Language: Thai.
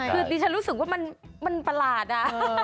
คือดิฉันรู้สึกว่ามันประหลาดอะ